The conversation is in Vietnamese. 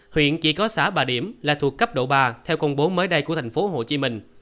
huyện chỉ có xã bà điểm là thuộc cấp độ ba theo công bố mới đây của thành phố hồ chí minh